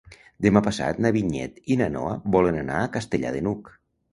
Demà passat na Vinyet i na Noa volen anar a Castellar de n'Hug.